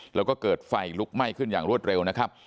แล้วก็เกิดไฟลุกไหม้ขึ้นอย่างรวดเร็วนะครับ